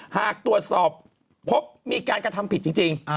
หากตรวจสอบพบมีการกระทำผิดจริง